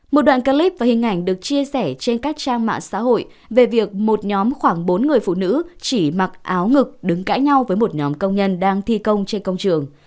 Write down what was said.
một đoạn clip và hình ảnh được chia sẻ trên các trang mạng xã hội về việc một nhóm khoảng bốn người phụ nữ chỉ mặc áo ngực đứng cãi nhau với một nhóm công nhân đang thi công trên công trường